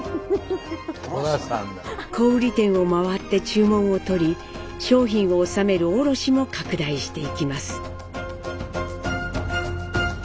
小売店を回って注文を取り商品を納める卸も拡大していきます。